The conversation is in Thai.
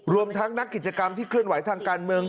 รวมทั้งนักกิจกรรมที่เคลื่อนไหวทางการเมือง